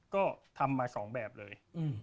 ก็ทำมา๒แบบเลย